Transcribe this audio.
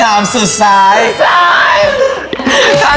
คำถามสุดท้ายคือ